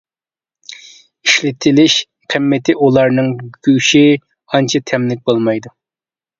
ئىشلىتىلىش قىممىتى ئۇلارنىڭ گۆشى ئانچە تەملىك بولمايدۇ.